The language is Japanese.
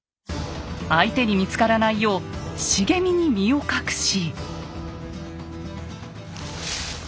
相手に見つからないよう茂みに身を隠し。